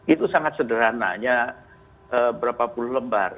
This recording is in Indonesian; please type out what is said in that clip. itu sangat sederhananya berapa puluh lembar